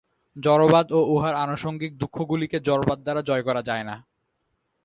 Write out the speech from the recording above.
জড়বাদ ও উহার আনুষঙ্গিক দুঃখগুলিকে জড়বাদ দ্বারা জয় করা যায় না।